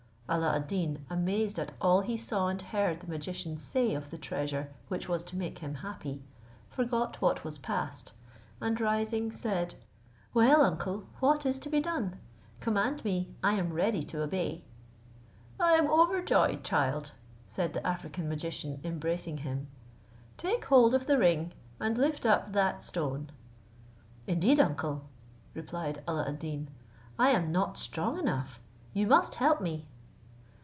Alla ad Deen, amazed at all he saw and heard the magician say of the treasure which was to make him happy, forgot what was past, and rising, said, "Well, uncle, what is to be done? Command me, I am ready to obey." "I am overjoyed, child," said the African magician, embracing him; "take hold of the ring, and lift up that stone." "Indeed, uncle," replied Alla ad Deen, "I am not strong enough, you must help me."